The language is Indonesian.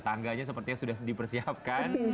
tangganya sepertinya sudah dipersiapkan